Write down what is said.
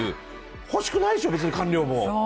欲しくないでしょ、別に官僚も。